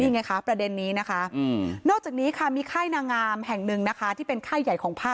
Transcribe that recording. ไงคะประเด็นนี้นะคะนอกจากนี้ค่ะมีค่ายนางงามแห่งหนึ่งนะคะที่เป็นค่ายใหญ่ของผ้า